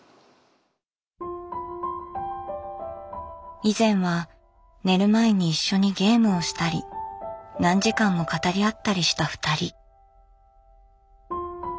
以前は寝る前に一緒にゲームをしたり何時間も語り合ったりしたふたり。